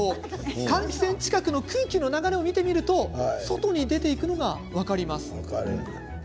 換気扇近くの空気の流れを見てみると外に出ていくのが分かります。